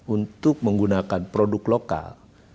untuk menggunakan produk lokal